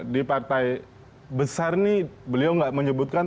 di partai besar ini beliau nggak menyebutkan